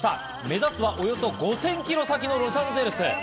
目指すはおよそ５０００キロ先のロサンゼルス。